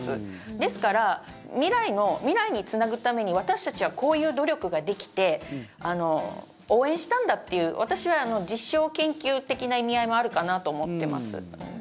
ですから、未来につなぐために私たちはこういう努力ができて応援したんだという私は実証研究的な意味合いもあるかなと思っています。